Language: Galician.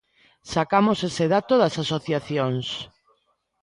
Sacamos ese dato das asociacións.